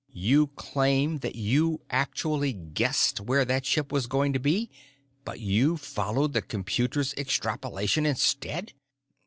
"You claim that you actually guessed where that ship was going to be, but you followed the computer's extrapolation instead?"